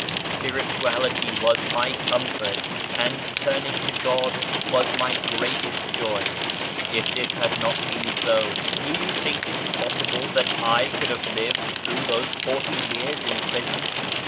Spirituality was my comfort, and turning to God was my greatest joy. If this had not been so, do you think is possible that I could have lived through those forty years in prison